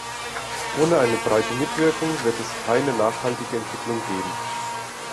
Ohne eine breite Mitwirkung wird es keine nachhaltige Entwicklung geben.